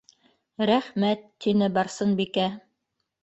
Рәхмәт, - тине Барсынбикә.